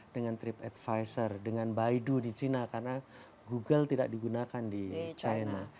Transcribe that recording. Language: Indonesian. dengan trip advisor dengan baidu di china karena google tidak digunakan di china